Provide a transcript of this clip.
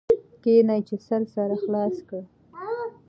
کښېنه چي سر سره خلاص کړ.